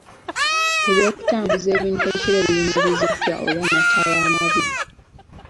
Eby'okutambuza ebintu ekiro biyimiriziddwa olw'amataala amabi.